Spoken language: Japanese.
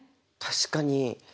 確かに。